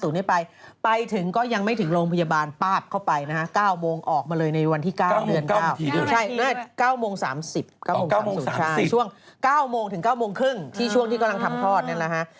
๙นาทีหรือเปล่า๙โมง๓๐ช่วง๙โมงถึง๙โมงครึ่งที่ช่วงที่กำลังทำคลอดนั่นแหละฮะ